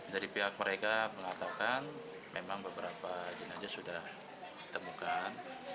dari pihak mereka mengatakan memang beberapa jenazah sudah ditemukan